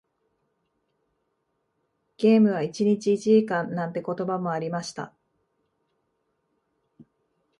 ゲームは一日一時間なんて言葉もありました。